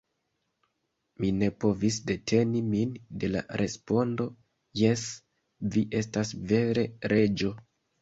Mi ne povis deteni min de la respondo: "Jes, vi estas vere Reĝo."